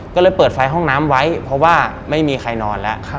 ก็เลยเปิดไฟห้องน้ำไว้เพราะว่าไม่มีใครนอนแล้ว